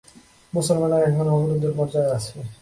মুসলমানরা এখন অবরোধের পর্যায়ে আছে।